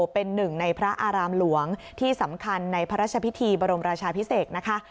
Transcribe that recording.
เป็นหนึ่งในพระอารามหลวงที่สำคัญในพระราชพิธีบรมราชาพิเศษนะคะ